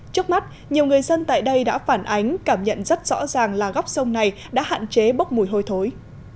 trước mắt nhiều người dân tại đây đã phản ánh cảm nhận rất rõ ràng là góc sông này đã hạn chế bốc mùi hôi thối